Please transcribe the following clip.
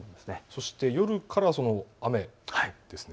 そして夜から雨なんですね。